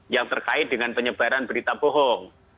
yang terkait dengan penyebaran berita bohong